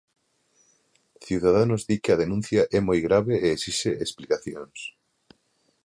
Ciudadanos di que a denuncia é moi grave e esixe explicacións.